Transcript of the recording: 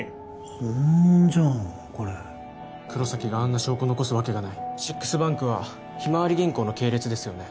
本物じゃんこれ黒崎があんな証拠残すわけがないシックスバンクはひまわり銀行の系列ですよね